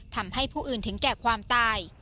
ทำให้ผู้อื่นถึงแก่ความตาย